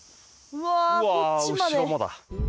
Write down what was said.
うわぁ後ろもだ。